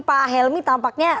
pak helmy tampaknya